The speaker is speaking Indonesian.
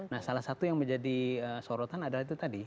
nah salah satu yang menjadi sorotan adalah itu tadi